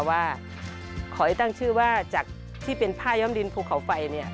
ว่าขอให้ตั้งชื่อว่าจากที่เป็นผ้าย้อมดินภูเขาไฟเนี่ย